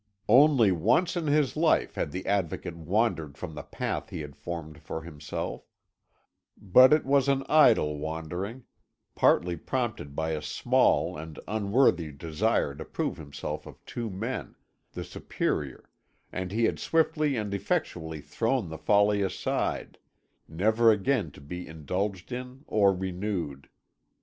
Only once in his life had the Advocate wandered from the path he had formed for himself; but it was an idle wandering, partly prompted by a small and unworthy desire to prove himself of two men, the superior, and he had swiftly and effectually thrown the folly aside, never again to be indulged in or renewed.